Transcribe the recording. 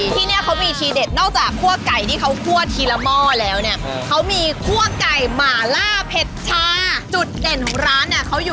ที่นี่เขามีทีเด็ดนอกจากคั่วไก่ที่เขาคั่วทีละหม้อแล้วเนี่ย